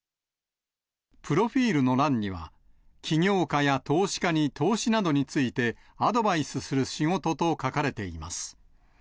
プロフィールの欄には、起業家や投資家に投資などについてアドバイスする仕事と書かれています。